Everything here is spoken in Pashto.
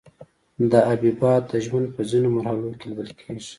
دا حبیبات د ژوند په ځینو مرحلو کې لیدل کیږي.